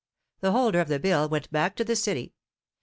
The holder of the bill went back to the City.